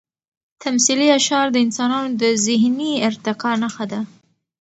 تمثیلي اشعار د انسانانو د ذهني ارتقا نښه ده.